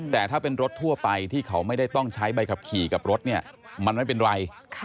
แต่ถ้าเป็นรถทั่วไปที่เขาไม่ได้ต้องใช้ใบขับขี่กับรถเนี่ยมันไม่เป็นไร